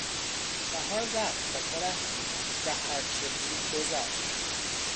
بهار رفت و تو رفتی و هر چه بود گذشت...